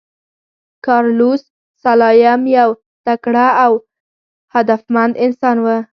کارلوس سلایم یو تکړه او هدفمند انسان و.